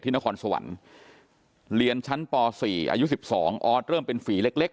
ที่นครสวรรค์เรียนชั้นป่าวสี่อายุสิบสองออสเริ่มเป็นฝีเล็กเล็ก